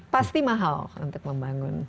pasti mahal untuk membangun